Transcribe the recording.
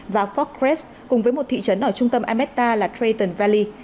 và fort crest cùng với một thị trấn ở trung tâm alberta là trayton valley